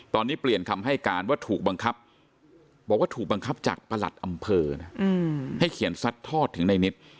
ตอนนี้เปลี่ยนคำให้การว่าถูกบังคับบอกว่าถูกบังคับจากประหลัดอำเภอนะให้เขียนซัดทอดถึงในนิต